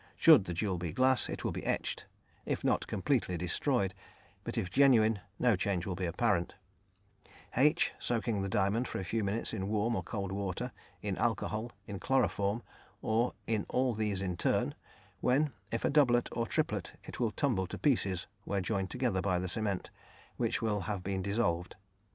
Should the jewel be glass, it will be etched, if not completely destroyed, but if genuine, no change will be apparent; (h) soaking the diamond for a few minutes in warm or cold water, in alcohol, in chloroform, or in all these in turn, when, if a doublet, or triplet, it will tumble to pieces where joined together by the cement, which will have been dissolved.